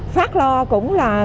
phát lo cũng là